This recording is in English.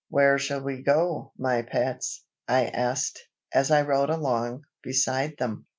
"Where shall we go, my pets?" I asked, as I rode along, beside them.